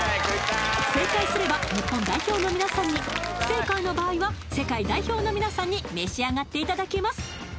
正解すれば日本代表の皆さんに不正解の場合は世界代表の皆さんに召し上がっていただきます